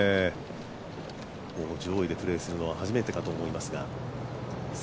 上位でプレーするのは初めてかと思いますが。